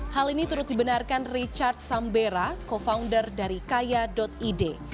hal ini turut dibenarkan richard sambera co founder dari kaya id